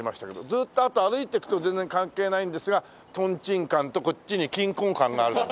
ずっと歩いていくと全然関係ないんですがトンチンカンとこっちにキンコンカンがある。